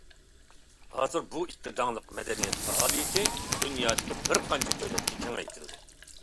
ھازىر بۇ ئىككى داڭلىق مەدەنىيەت پائالىيىتى دۇنيادىكى بىر قانچە دۆلەتكە كېڭەيتىلدى.